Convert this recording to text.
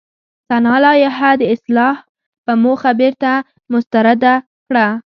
سنا لایحه د اصلاح په موخه بېرته مسترده کړه.